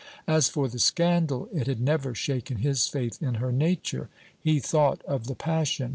As for the scandal, it had never shaken his faith in her nature. He thought of the passion.